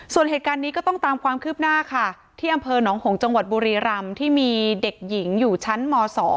ส่วนเหตุการณ์นี้ก็ต้องตามความคืบหน้าค่ะที่อำเภอหนองหงษ์จังหวัดบุรีรำที่มีเด็กหญิงอยู่ชั้นม๒